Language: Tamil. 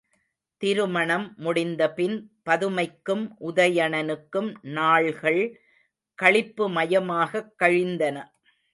திருமணம் முடிந்தபின் பதுமைக்கும் உதயணனுக்கும் நாள்கள் களிப்பு மயமாகக் கழிந்தன.